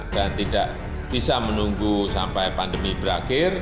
dan tidak bisa menunggu sampai pandemi berakhir